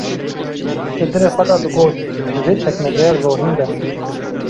‘’Di dilê xwe de digot: Divê çekmeceya jorîn be.